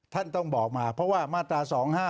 ท่านต้องบอกมาเพราะว่ามาตรา๒๕๖